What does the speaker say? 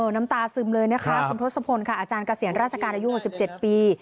คุณทศพลอาจารย์เกษียณราชการอายุ๑๗ปี